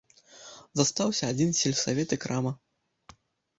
Застаўся адзін сельсавет і крама.